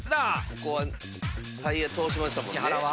ここはタイヤ通しましたもんね